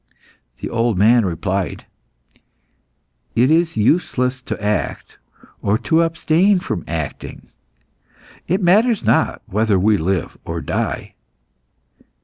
The old man replied "It is useless to act, or to abstain from acting. It matters not whether we live or die."